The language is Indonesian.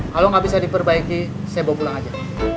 kalau nggak bisa diperbaiki saya bawa pulang aja